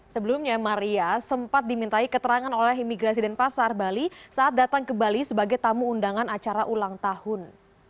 sebelumnya maria sempat dimintai keterangan oleh imigrasi dan pasar bali saat datang ke bali sebagai tamu undangan acara ulang tahun